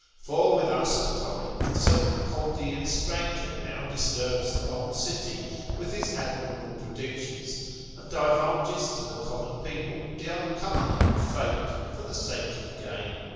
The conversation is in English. For with us, at Corinth, a certain Chaldean stranger now disturbs the whole city with his admirable predictions, and divulges to the common people the arcana of fate, for the sake of gain.